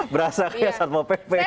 berasa kayak satpo pepeng